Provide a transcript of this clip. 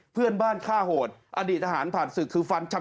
เพื่อนบ้านฆ่าโหดอดีตทหารผ่านศึกคือฟันชัด